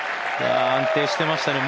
安定してましたね。